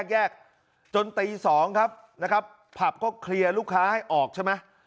แยกจนตี๒ครับนะครับผับก็เคลียร์ลูกค้าให้ออกใช่ไหม